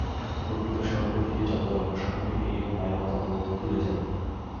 প্রকৃত স্বরূপের দিকে যতই অগ্রসর হবে, এই মায়াও তত দূরে যাবে।